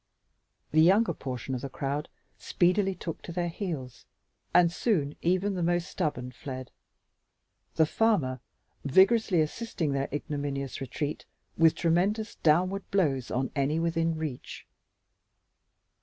The younger portion of the crowd speedily took to their heels, and soon even the most stubborn fled; the farmer vigorously assisting their ignominious retreat with tremendous downward blows on any within reach.